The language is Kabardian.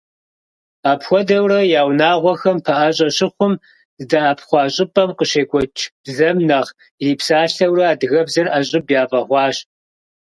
Апхуэдэурэ я унагъуэхэм пэӀэщӀэ щыхъум, здэӀэпхъуа щӀыпӀэм къыщекӀуэкӀ бзэм нэхъ ирипсалъэурэ, адыгэбзэр ӀэщӀыб яфӀэхъуащ.